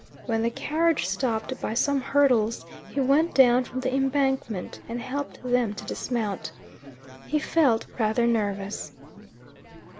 When the carriage stopped by some hurdles he went down from the embankment and helped them to dismount. He felt rather nervous.